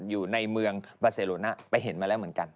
อยู่ในเมืองบาเซโลนะไปเห็นมาแล้วเหมือนกัน